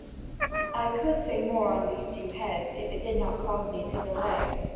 (Vv. 3195 3318.) I could say more on these two heads, if it did not cause me to delay.